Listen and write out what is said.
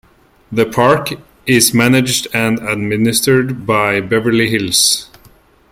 The park is managed and administered by Beverly Hills.